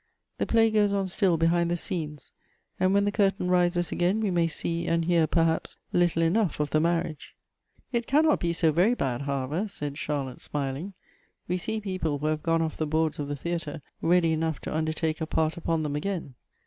The play goes On still behind the scenes, and when the curtain rises again we may see and hear, perhaps, little enough of the marriage." " It cannot be so very bad, however," said Charlotte, smiling. " We see people who have gone off the boards of the theatre, ready enough to undertake a part upon them again."